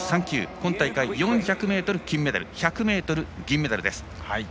今大会４００ｍで金メダル１００ｍでは銀メダルです。